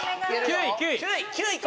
９位９位。